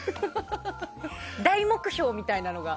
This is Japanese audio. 大目標みたいなものが。